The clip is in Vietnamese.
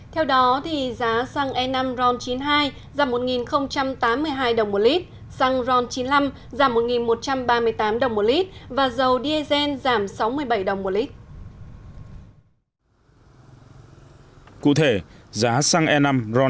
theo đó giá xăng e năm ron chín mươi hai giảm một tám mươi hai đồng một lít xăng ron chín mươi năm giảm một một trăm ba mươi tám đồng một lít và dầu diesel giảm sáu mươi bảy đồng một lít